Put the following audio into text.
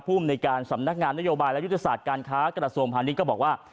ผู้อำนวยการสำนักงานนโยบายและยุทธศาสตร์การค้ากระสวมภัณฑ์นี้ก็บอกว่า